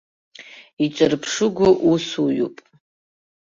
Иҿырԥшыгоу усуҩуп.